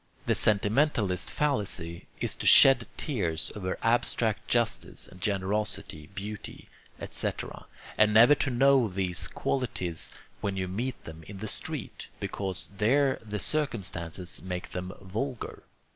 The 'sentimentalist fallacy' is to shed tears over abstract justice and generosity, beauty, etc., and never to know these qualities when you meet them in the street, because there the circumstances make them vulgar.